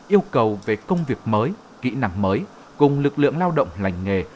yêu cầu về công việc mới kỹ năng mới cùng lực lượng lao động lành nghề